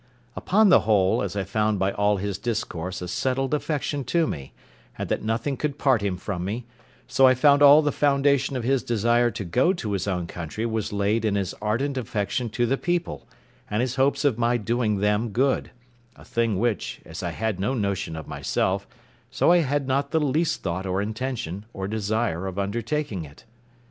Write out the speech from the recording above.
Upon the whole, as I found by all his discourse a settled affection to me, and that nothing could part him from me, so I found all the foundation of his desire to go to his own country was laid in his ardent affection to the people, and his hopes of my doing them good; a thing which, as I had no notion of myself, so I had not the least thought or intention, or desire of undertaking it.